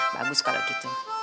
bagus kalau gitu